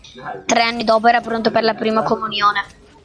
Tre anni dopo era pronto per la prima comunione.